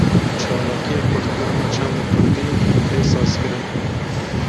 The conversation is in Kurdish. Çalakiya xurtkirina çanda Kurdî, tê sazkirin